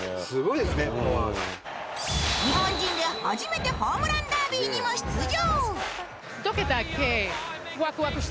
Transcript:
日本人で初めてホームランダービーにも出場